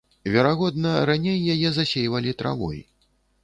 Верагодна, раней яе засейвалі травой.